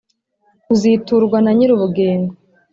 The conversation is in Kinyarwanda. uziturwa na nyir’ubugingo